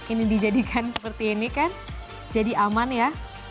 ini dijadikan seperti ini kan jadi aman ya